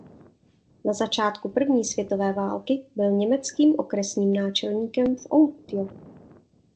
Na začátku první světové války byl německým okresním náčelníkem v Outjo.